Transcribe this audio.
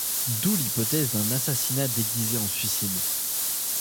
D'où l'hypothèse d'un assassinat déguisé en suicide.